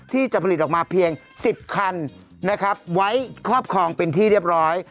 ที่จะผลิตออกมาเพียง๑๐คันนะครับไว้ครอบครองเป็นที่เรียบร้อย